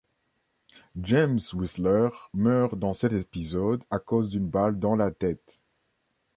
James Whisler meurt dans cet épisode à cause d'une balle dans la tête.